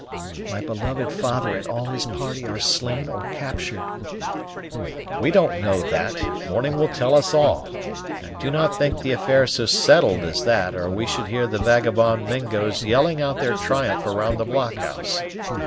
"My beloved father and all his party are slain or captured!" "We don't know that morning will tell us all. I do not think the affair so settled as that, or we should hear the vagabond Mingos yelling out their triumph around the blockhouse.